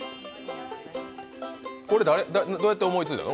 これどうやって思いついたの？